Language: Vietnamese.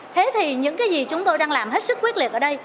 thế thì những cái gì chúng tôi đang làm hết sức quyết liệt ở đây